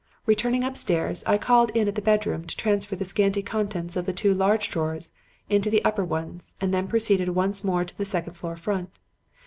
Returning upstairs, I called in at the bedroom to transfer the scanty contents of the two large drawers into the upper ones and then proceeded once more to the second floor front.